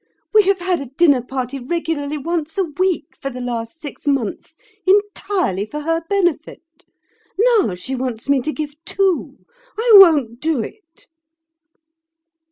"We have had a dinner party regularly once a week for the last six months, entirely for her benefit. Now she wants me to give two. I won't do it!"